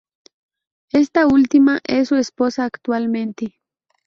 Esta última es su esposa actualmente.